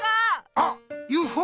あっＵＦＯ！